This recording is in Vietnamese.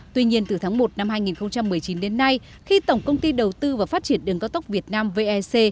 tuy nhiên từ tháng một năm hai nghìn một mươi chín đến nay khi tổng công ty đầu tư và phát triển đường cao tốc việt nam vec